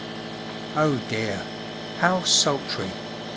Oh dear! how sultry!